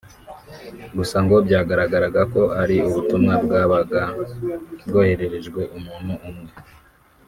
Gusa ngo hano byagaragaraga ko ari ubutumwa bwabaga bwohererejwe umuntu umwe